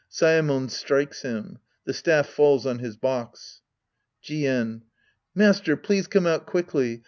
Saemon strikes him. The staff falls on his box.) Jien. Master, please come out quickly.